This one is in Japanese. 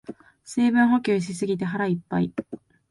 水分補給しすぎて腹いっぱい